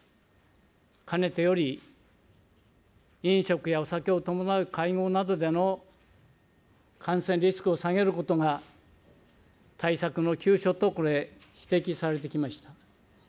かねてより、飲食やお酒を伴う会合などでの感染リスクを下げることが、対策の急所と、これ、指摘されてきました。